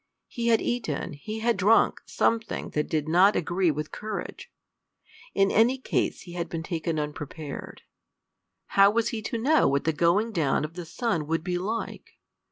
He had eaten, he had drunk, something that did not agree with courage. In any case he had been taken unprepared. How was he to know what the going down of the sun would be like?